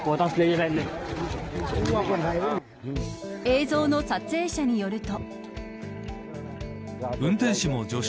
映像の撮影者によると。